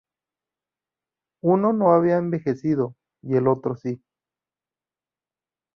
Uno no había envejecido y el otro si.